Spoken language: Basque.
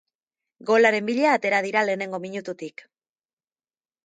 Golaren bila atera dira lehenengo minututik.